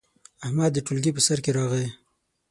احمد د ټولګي په سر کې راغی.